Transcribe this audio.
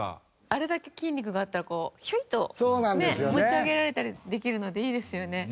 あれだけ筋肉があったらひょいと持ち上げられたりできるのでいいですよね。